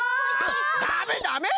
ダメダメ！